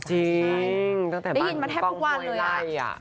จริงตั้งแต่บางทีต้องไหวไล่อ่ะ